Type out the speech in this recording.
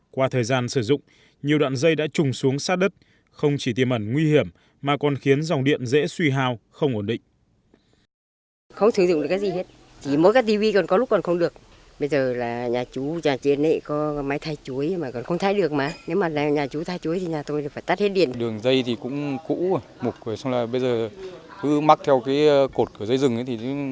qua thời gian sử dụng nhiều đoạn dây đã trùng xuống sát đất không chỉ tiêm ẩn nguy hiểm mà còn khiến dòng điện dễ suy hào không ổn định